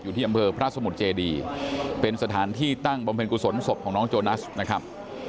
ที่อำเภอพระสมุทรเจดีเป็นสถานที่ตั้งบำเพ็ญกุศลศพของน้องโจนัสนะครับ